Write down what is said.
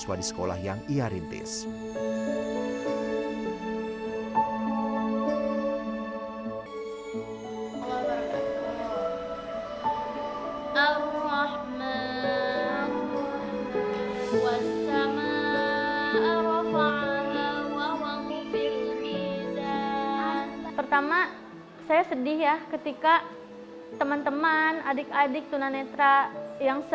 siswa di sekolah yang ia rintis pertama saya sedih ya ketika teman teman adik adik tuna netra yang